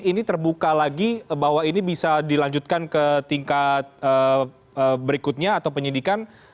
ini terbuka lagi bahwa ini bisa dilanjutkan ke tingkat berikutnya atau penyidikan